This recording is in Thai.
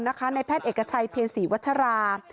นายแพทย์เอกชัยเพียรศรีวัชรา